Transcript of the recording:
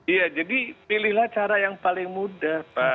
iya jadi pilihlah cara yang paling mudah pak